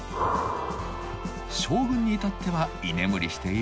将軍に至っては居眠りしているだけ。